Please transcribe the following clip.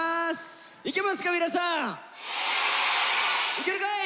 いけるかい！